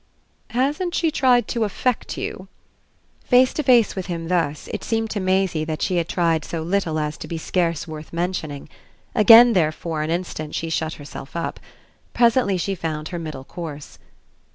"Hasn't she tried to affect you?" Face to face with him thus it seemed to Maisie that she had tried so little as to be scarce worth mentioning; again therefore an instant she shut herself up. Presently she found her middle course.